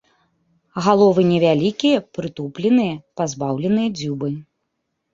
Галовы невялікія, прытупленыя, пазбаўленыя дзюбы.